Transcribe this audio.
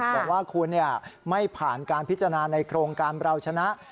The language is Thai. บอกว่าคุณไม่ผ่านการพิจารณาในโครงการเราชนะ